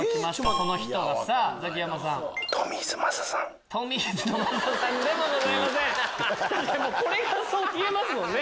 これがそう見えますもんね。